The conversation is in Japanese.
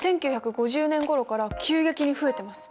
１９５０年ごろから急激に増えてます。